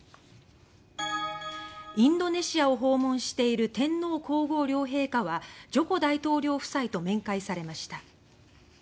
インドネシアを訪問している天皇・皇后両陛下はジョコ大統領夫妻と面会されました。